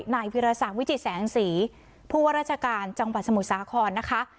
ไหนฟิราษาวิจิแสงศรีผู้ราชฯการจังหวัดสมุสาครนะคะ